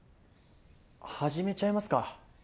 始めちゃいますか？